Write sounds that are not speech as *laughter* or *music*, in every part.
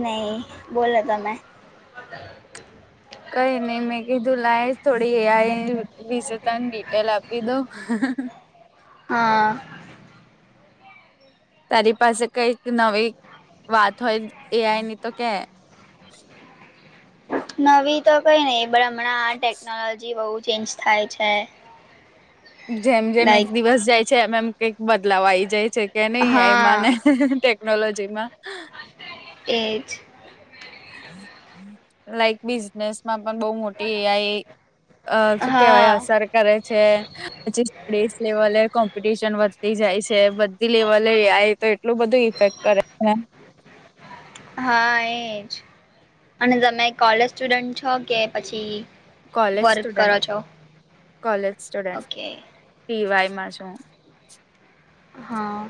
નય બોલો તમે. કઈ નય મેં કીધું લાય થોડી એ આય વિશે તને ડિટેલ આપી દઉ. હા તારી પાસે કઈક નવી વાત હોય એ આઈની તો કે, નવી તો કઈ નઈ પણ હમણાં આ ટેકનોલોજી બહુ ચેન્જ થાય છે. જેમ જેમ એક લાઈક દિવસ જાય છે એમ એમ કઈક બદલાવ આય જાય છે. કે એમાં ને હા ટેકનોલોજીમાં. એજ લાઈક બિઝનેસ માં પણ બહુ મોટી એ આઈ અ શું હા કહેવાય અસર કરે છે. પછી સ્ટેટ લેવલે કોમ્પિટિશન વધતી જાય છે બધી લેવલે એ આઈ એ તો એટલું બધું ઇફેક્ટ કરે છે ને હા એજ અને તમે કોલેજ સ્ટુડન્ટ છો કે પછી કોલેજ વર્ક કરો સ્ટુડન્ટ છો college student okay P Y માં છું હા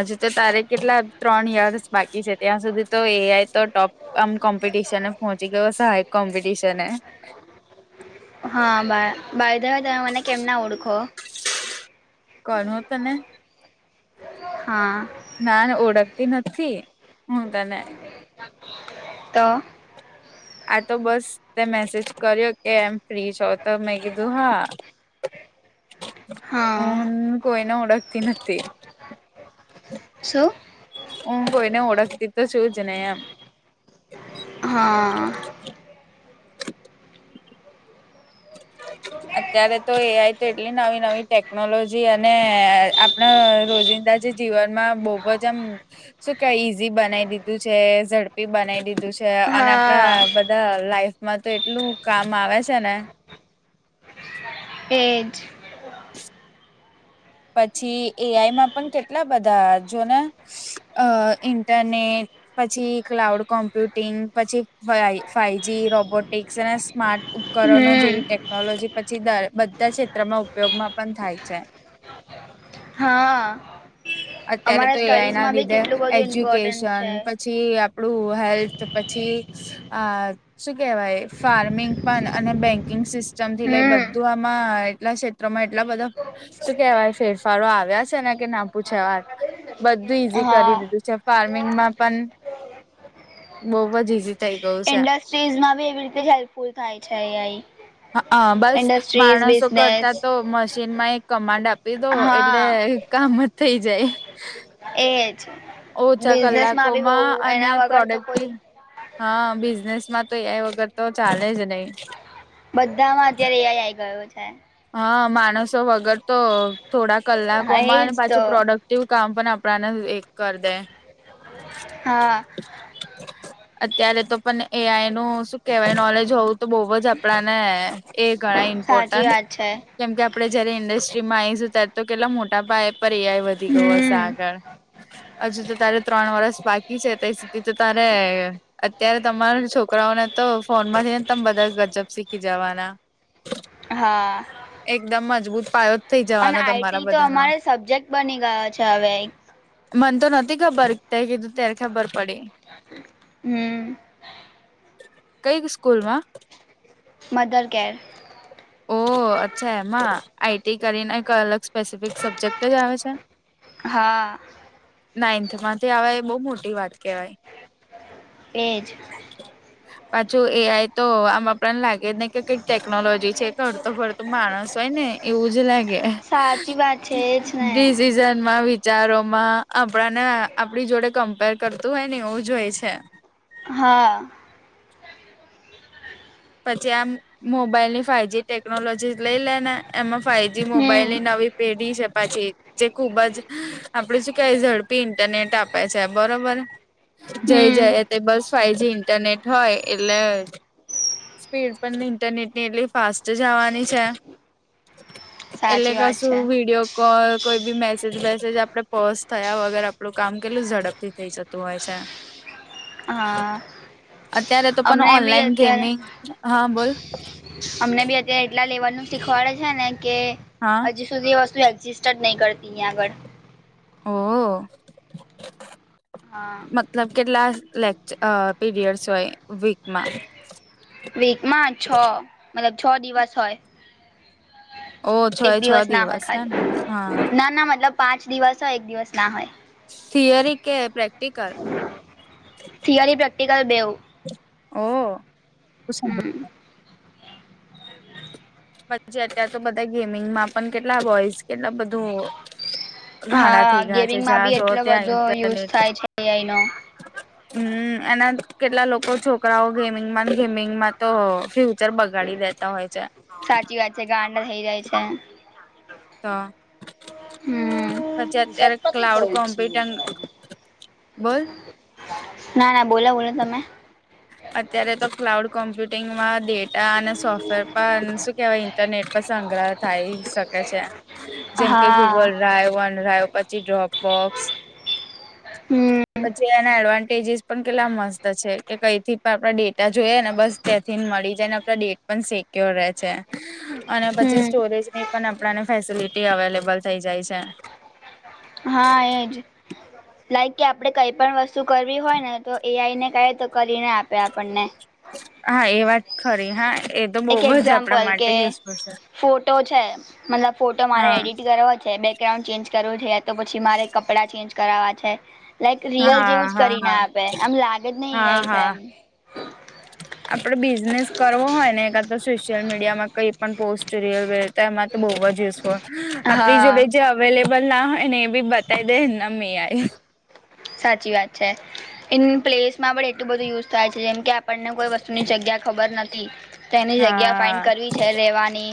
હજુ તો તારે કેટલા ત્રણ યર્સ બાકી છે ત્યાં સુધી તો એ આઈ તો ટોપ આમ કોમ્પિટિશન પહોંચી ગયો હાઈ એક કોમ્પિટિશન હા બા બાય ધ વે તમે મને કેમ ના ઓળખો કોન હો તને હા ના ના ઓળખતી નથી હું તને તો આ તો બસ તે મેસેજ કર્યો કે એમ ફ્રી છો તો મેં કીધું હા *inaudible* હું હા કોઈને ઓળખતી નથી શું હું કોઈ ને ઓળખતી છું જ નહી એમ હા અત્યારે તો એ તેટલી નવી નવી ટેકનોલોજી અને આપણા રોજિંદા જે જીવનમાં બહુ બહુ જ અમ શું કે ઈઝી બનાવી દીધું છે ઝડપ બનાવી દીધું છે અને હા આપણા બધા લાઈફમાં તો એટલું કામ આવે છે ને એ જ પછી એ આઈ માં પણ કેટલા બધા જોને ઇન્ટરનેટ પછી ક્લાઉડ કોમ્પ્યુટિંગ પછી ફાઇ ફાઈવ જી રોબોટિક્સ અને સ્માર્ટ ઉપકરણો હમ જેવી ટેકનોલોજી પછી દા બધા ક્ષેત્રમાં ઉપયોગમાં પણ થાય છે હા અત્યારે અમારા તો એ આઈ ના સ્ટડીઝમાં બી લીધે કેટલું બધું ઇમ્પોર્ટન્ટ એજ્યુકેશન છે પછી પછી આપણું હેલ્થ પછી અ શું કેવાય ફાર્મિંગ પણ અને બેંકિંગ સિસ્ટમ થી લઈ બધું હમ આ માં એટલા ક્ષેત્રોમાં એટલા બધા શું કહેવાય ફેરફારો આવ્યા છે ને કે ના પૂછો વાત બધું ઈઝી કરી હા દીધું છે ફાર્મિંગમાં પણ બહુ જ ઈઝી થઈ ગયું છે ઇન્ડસ્ટ્રીઝ માં બી એવી રીતે હેલ્પફુલ થાય છે એ આઈ હા બસ માણસો કરતા તો મશીન માં એક કમાન્ડ આપ આપી દયો એટલે હા કામ જ થઈ જાય એ જ ઓછા કલાકોમાં અને વગર તો પ્રોડક્ટી કોઈ હા બિઝનેસ માં તો એ આઈ વગર તો ચાલે જ નહી બધામાં અત્યારે એ આઈ આઈ ગયો છે હા માણસો વગર તો થોડા હા કલાકોમાં ને એજ તો પાછું પ્રોડક્ટ તેવું કામ પણ આપણાને એક કર દે હા અત્યારે તો પણ એઆઈ નું શું કેવાય, નોલેજ હોવું તો બોવ જ આપણા ને એ ગણાય સાચી ઇમ્પોર્ટન્ટ વાત છે કેમ કે આપડે જયારે ઇન્ડસ્ટ્રીમાં આવીશું ત્યારે તો કેટલા મોટા પાયે પર્યાય વધી ગયો હશે હમ આગળ હજુ તો તારે ત્રણ વરસ બાકી છે, તઈ સુધી તો તારે અત્યારે તમારા છોકરાઓને તો ફોન માંથી ને તમે બધા ગજબ શીખી જવાના હા એકદમ મજબૂત પાયો થઈ અને જવાનો તમારા આઈટી તો બધાનો અમારે સબ્જેક્ટ બની ગયો છે, હવે ઈ મને તો નથી ખબર, તે કીધું ત્યારે ખબર પડી. હમ્મ કઈ સ્કૂલમાં મઘર કેર ઓ અચ્છા એમાં આઈટી કરીને, એક અલગ સ્પેસિફિક સબ્જેક્ટ આવે છે. હા નાઈન્થ માંથી આવે એ બોવ મોટી વાત કેવાય. એજ પાછું એ. આઈ. તો આમ આપડા ન લાગે જ નહી કે કઈક ટેકનોલોજી છે, એ તો હરતો-ફરતો માણસ હોય ને એવું જ લાગે, સાચી વાત છે એજ ને ડિસિઝનમાં બી વિચારોમાં આપણા ને આપડી જોડે કમ્પેર કરતું હોય ને એવું જ હોય છે. હા પછી આમ મોબાઈલ ની ફાઈવજી ટેકનોલોજી લઈ લેને એમાં ફાઈવજી હમ મોબાઈલની નવી પેઢી છે, પાછી જે ખુબ જ આપડે શું કેવાય ઝડપી ઇન્ટરનેટ આપે છે, બરોબર જઈ હમ જાય તે બસ ફાઇવજી ઇન્ટરનેટ હોય, એટલે સ્પીડ પણ ઇન્ટરનેટ ની એટલી ફાસ્ટ જ આવવાની છે. એટલે સાચી વાત કસુ છે વિડીયો કોલ, કોઈ બી મેસેજ બેસેજ આપડે પોઝ થયા વગર આપણું કામ કેટલું ઝડપથી થઈ જતું હોય છે. *inaudible* હા અત્યારે તો પણ અમને બી ઓનલાઈન અત્યારે ગેમિંગ, હા બોલ અમને બી અત્યારે એટલા લેવલ નું શીખવાડે છે, ને કે હા હજી સુધી વસ્તુ રિસ્ટર નહી કરતી એ આગળ ઓ.. હો હા મતલબ કેટલા લેકચ અ.. પીરિયડ્સ હોય, વીકમાં વીકમાં છ અને છ દિવસ હોય. ઓ છ એક એ છ દિવસ ના હોય હે ખાલી, ને હા ના-ના મતલબ પાંચ દિવસ હોય, એક દિવસ ના હોય. થિયરી કે પ્રેક્ટિકલ? થિયરી પ્રેક્ટિકલ બેવ ઓહ.. ગુસ્સા માં હમ પછી અત્યારે તો બધા ગેમિંગમાં પણ કેટલા બોઇસ, કેટલા બધું ગાંડા હા થઈ ગયા છે ગેમિંગમાં જ્યાં બી જઓ એટલો ત્યાં બધો યુઝ ઇન્ટરનેટ. થાય છે એઆઈ નો હમ્મ એને કેટલા લોકો છોકરાઓ ગેમિંગમાં ને ગેમિંગમાં તો ફ્યૂ ચર બગાડી દેતા હોય છે. સાચી વાત છે ગાંડા થઈ જાય છે. તો. પછી હમ અત્યારે ક્લાઉડ કોમ્પ્યુટંગ, બોલ. ના ના બોલો બોલો તમે. અત્યારે તો ક્લાઉડ કોમ્પ્યુટિંગમાં ડે ટા અને સોફ્ટવેર પર શું કેવાય ઇન્ટરનેટ પર સંગ્રહ થાય શકે છે જેમ કે હા ગૂગલ ડ્રાઈવ, વન રાય પછી ડ્રોપ બોક્સ હમ્મ. પછી એના એડવાન્ટેજિસ પણ કેટલા મસ્ત છે કે કઈ થી પર આપળા ડેટા જોઈએ ને બસ ત્યાંથી મળી જાય ને આપળા ડેટ પણ સિક્યોર રે છે અને પછી હમ સ્ટોરેજની પણ આપળા ને ફેસિલિટી અવેલેબલ થઈ જાય છે. હા એજ લાઈક કે આપળે કઈ પણ વસ્તુ કરવી હોય ને તો એ આઈને કેએ તો કરીને આપે આપણને. હા એ વાત ખરી હા એ તો એક બો જ આપળા એક્ઝામ્પલ માટે કે યુઝફુલ છે. ફોટો છે મતલબ ફોટો મારે હા એડિટ કરવો છે બેક ગ્રાઉન્ડ ચેન્જ કરવું છે યા તો પછી મારે કપડાં ચેન્જ કરાવા છે લાઈક રિયલ હા જેવું જ હા કરી ને હા આપે આમ લાગે જ નય એ આઈ છે એમ. આપળે બિઝનેસ કરવો હોય ને એકાદ તો સોશિયલ મીડિયામાં કઈ પણ પોસ્ટ *unintelligible* તેમાં તો બોવ જ યુઝફુલ, આપળી જોડે હા જે અવેલેબલ ના હોય ને એ બી બતાઈ દે એન નામ એ આઈ. સાચી વાત છે ઇન પ્લેસમાં *unintelligible* એટલું બધું યુઝ થાય છે જેમ કે આ પણને કોઈ વસ્તુ ની જગ્યા ખબર નથી તેની જગ્યા ફાઈન્ડ હા કરવી છે રેવાની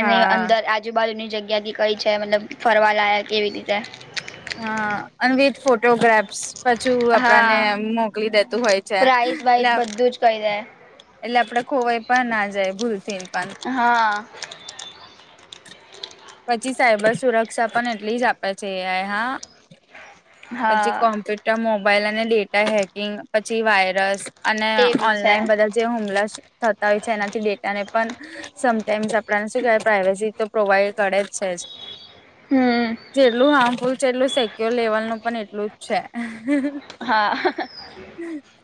એની હા અંદર આ જુબાજુની જગ્યા બી કઈ છે મતલબ ફરવા લાયક એવી રીતે. હ અનવિથ ફોટોગ્રાફ્સ પાછુ આપળાને હા મોકલી દેતું હોય છે એટલે આ કઈ જાય એટલે આપડે ખોવાઈ પણ ના જાય ભૂલ થીન પણ. હા. પછી સાયબર સુરક્ષા પણ એટલી જ આપે છે એ આઈ હા પછી હા કોમ્પ્યુટર મોબાઈલ અને ડેટા હેકિંગ, પછી વાયરસ અને એ બી છે ઓનલાઈન બધા જે હમલાસ થતા હોય છે એનાથી ડેટાને પણ સમટાઈમ્સ આપળાને શું કેવાય પ્રાયવસી તો પ્રોવાઈડ કડે જ છે જ હમ જેટલું હાર્મફુલ છે એટલું સેક્ય્યોર લેવલ નું પણ એટલું જ છે હા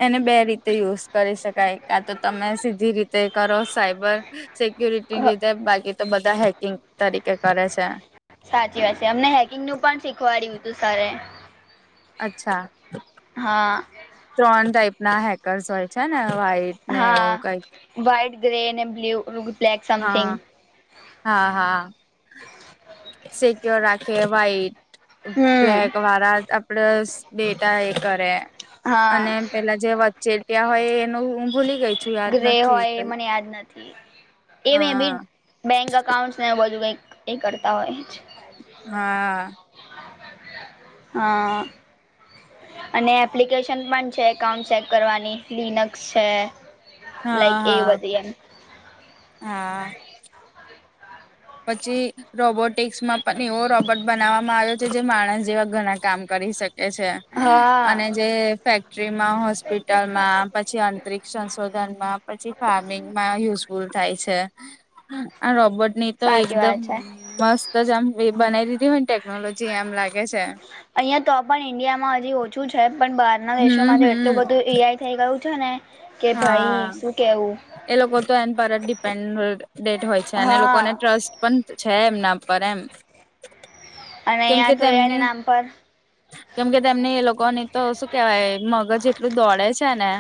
એને બે રીતે યુઝ કરી શકાય કાતો તમે સીધી રીતે કરો સાયબર સિક્યુરિટી લીધે બાકી તો બધા હેકિંગ તરીકે કરે છે. સાચી વાત છે અમને હેકિંગનું પણ શીખવાડ્યું તું સરે. અચ્છા, હા ત્રણ ટાઈપ ના હેકર્સ હોય છે ને વાઈટ. હા વાઈટ, ગ્રે, બ્લુ રૂગ હા, હા હા સિક્યોર રાખે વાઈટ. અમે હમ બ્લેક વારા આપડ સ ડેટા એ કરે. અને હા પેલા જે વચ્ચે થયા હોય એનું હું ભૂલી ગઈ છું યાદ ગ્રે નથી હોય એ કઈ. મને યાદ નથી એ મે બી હા બેંક અકાઉન્ટ્સને એવું બધું કંઈક એ કરતા હોય છે. હા આ અને એપ્લિકેશન પણ છે, એકાઉન્ટ ચેક કરવાની લિનક્સ છે. હા લાઈક એ હા બધી એમ હા હા પછી રોબોટિકસમાં પણ એવો રોબોટ બનાવવામાં આવ્યો. કે જે માણસ જેવા ઘણા કામ કરી શકે છે. હા અને જે ફેક્ટરીમાં, હોસ્પિટલમાં, પછી અંતરિક્ષ સંશોધનમાં, પછી ફાર્મિંગમાં યુઝ- ફુલ થાય છે. આ રોબર્ટની તો સાચી એકદમ વાત છે મસ્ત જ આમ *unintelligible* બનાવી દીધી હોય ને ટેકનોલોજી એમ લાગે છે. અહીંયા તો પણ ઇન્ડિયામાં હજી ઓછું છે પણ બહારના હમ દેશોમાં તો એટલું હમ બધું એઆઈ થઈ ગયું છે ને! કે ભાઈ હા શું કેવું એ લોકો તો એન પર ડીપેન્ડ- ડેન્ટ હોય છે. અને લોકોને હા ટ્રસ્ટ પણ છે એમના પર એમ. અને કેમ કે અહં તો એના તેમની નામ પર કેમ કે તેમની એ લોકોની તો શું કેવાય? મગજ એટલું દોડે છે ને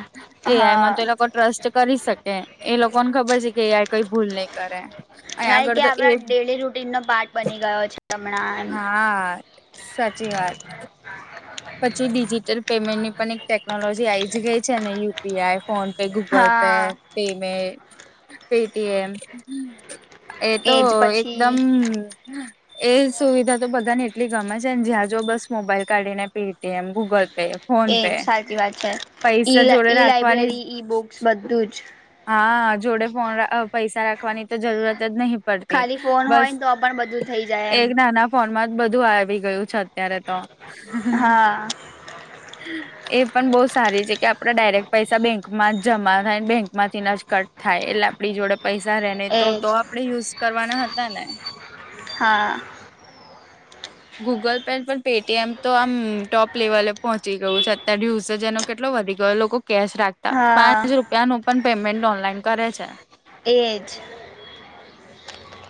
એઆઈમાં હા તો એ લોકો ટ્રસ્ટ કરી શકે એ લોકોને ખબર છે કે એઆઇ કંઈ ભૂલ નહીં કરે. અહીં *unintelligible* કે આગળ તો આપડા એ ડેલી રૂટીનનો પાર્ટ બની ગયો છે હમણાં. એમ હા સાચી વાત છે. પછી ડિજિટલ પેમેન્ટની પણ એક ટેકનોલોજી આઈ જ ગઈ છે ને યુપીઆઈ ફોન- -પે, ગૂગલ-પે, હા પેટીએમ, એ તો એજ પછી એકદમ એ સુવિધા તો બધાને એટલી ગમે છે ને જ્યાં જો બસ મોબાઈલ કાઢી ને પેટીએમ. ગૂગલ. એ સાચી વાત છે. ઈ. પૈસા જોડે ઈ રાખવાની લાઈબ્રેરી ઈ બુક્સ બધું જ. હા જોડે ફોન. પૈસા રાખવાની તો જરૂરત જ નહીં. પડતી. ખાલી ફોન બસ હોય ને તો પણ બધું થઈ જાય એમ એક ના ના. ફોન માં જ બધું આવી ગયું છે. અત્યારે તો, હા એ પણ બહુ સારી છે. કે આપડે ડાયરેક્ટ પૈસા બેંકમાં જમા થાયને બેંક. માંથી ના જ કટ થાય. એટલે આપડી જોડે પૈસા રે ને. તો એજ આપડે યુઝ કરવાના હતા ને. હા. Google pay. પણ પેટીએમ તો આમ ટોપ લેવલે પહોંચી ગયું છે અત્ય્યારે યુઝ. જેનો. કેટલો વધી ગયો લોકો કેશ રાખતા હા પાંચ રૂપિયા નું પણ પેમેન્ટ ઓનલાઈન કરે છે. એજ.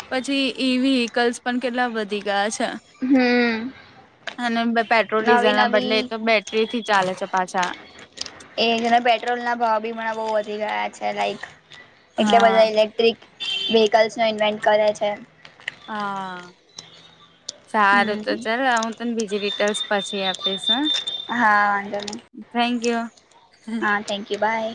પછી ઈ વી વ્હીકલ્સ પણ કેટલા વધી ગયા છે. હમ *unintelligible* અને પેટ્રોલ ડીઝલ નવી ના નવી બદલે તો બે. ટરીથી ચાલે છે પાછા. એ જેના પેટ્રોલ ના ભાવ બી હમણાં બહુ વધી ગયા છે લાઈક એટલે હા. બધા ઇલે. વિહિકલ *unintelligible* કરે છે. હ સારું તો હમ ચલ હવે હું તને બીજી રી. લ્સ પછી આપીશ હ. હા. વાંધો નહી. Thank you. હા, થેન્ક યુ બાય.